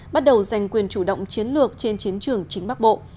bắt đầu giành quyền chủ động chiến lược trên chiến trường chính bắc bộ